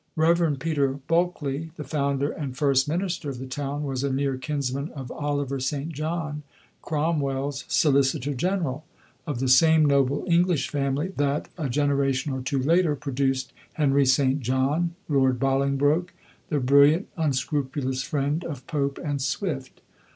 Rev. Peter Bulkeley, the founder and first minister of the town, was a near kinsman of Oliver St. John, Cromwell's solicitor general, of the same noble English family that, a generation or two later, produced Henry St. John, Lord Bolingbroke, the brilliant, unscrupulous friend of Pope and Swift.